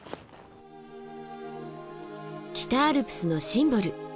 北アルプスのシンボル